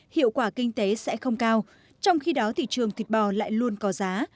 hiệu quả kinh tế sẽ không cao trong khi đó thị trường thịt bò lại luôn có giá